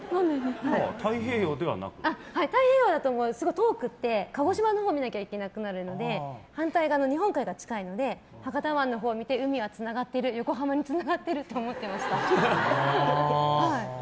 はい、太平洋だとすごく遠くて鹿児島のほうを見ないといけなくなるので反対側の日本海が近いので博多湾のほうを見て海はつながってる横浜につながってると思ってました。